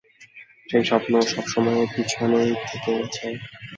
সেই স্বপ্ন সবসময়ে পেছনেই থেকে গেছে।